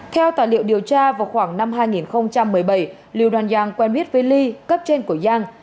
theo tài liệu điều tra vào khoảng năm hai nghìn một mươi bảy liu duan yang quen biết với li cấp trên của yang